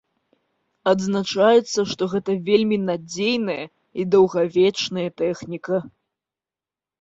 Адзначаецца, што гэта вельмі надзейная і даўгавечная тэхніка.